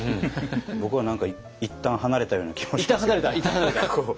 僕は何か一旦離れたような気もしますけども。